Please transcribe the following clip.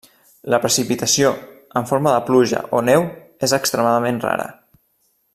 La precipitació en forma de pluja o neu és extremadament rara.